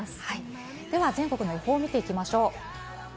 では全国の予報を見ていきましょう。